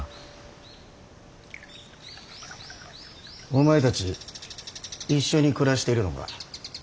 お前たち一緒に暮らしているのか。